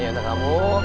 ini untuk kamu